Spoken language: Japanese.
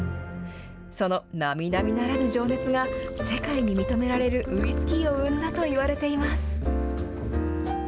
そのなみなみならぬ情熱が、世界に認められるウイスキーを生んだといわれています。